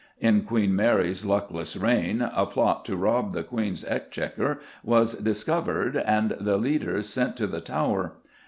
In Queen Mary's luckless reign, "a plot to rob the Queen's Exchequer was discovered and the leaders sent to the Tower."